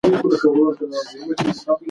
که تعلیم وي نو غربت نه راځي.